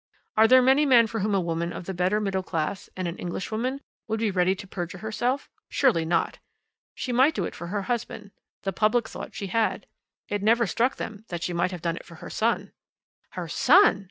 Are there many men for whom a woman of the better middle class, and an Englishwoman, would be ready to perjure herself? Surely not! She might do it for her husband. The public thought she had. It never struck them that she might have done it for her son!" "Her son!"